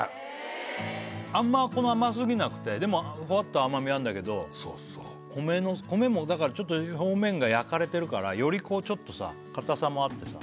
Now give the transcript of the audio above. あんま甘すぎなくてでもほわっと甘みあるんだけど米もだからちょっと表面が焼かれてるからよりちょっとさ硬さもあってさ